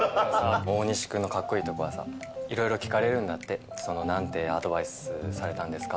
大西君のかっこいいとこはさ、いろいろ聞かれるんだって、そのなんてアドバイスされたんですか？